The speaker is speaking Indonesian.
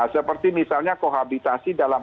seperti misalnya pohabitasi dalam